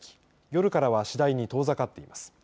夜からは次第に遠ざかっています。